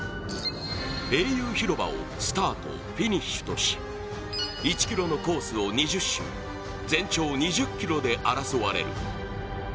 英雄広場をスタート、フィニッシュとし１ｋｍのコースを２０周全長２０ｋｍで争われる。